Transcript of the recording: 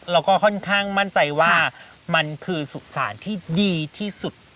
แล้วก็ค่อนข้างมั่นใจว่ามันคือสุสานที่ดีที่สุด